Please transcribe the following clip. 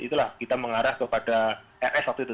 itulah kita mengarah kepada rs waktu itu